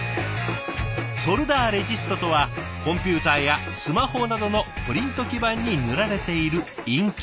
ソルダーレジストとはコンピューターやスマホなどのプリント基板に塗られているインキ。